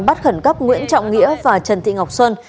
bắt khẩn cấp nguyễn trọng nghĩa và trần thị ngọc xuân